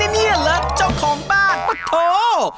นี่ละเจ้าของบ้านปะโทษ